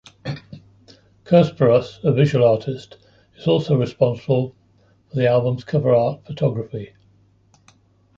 Kurperus, a visual artist, is also responsible for the album's cover art photography.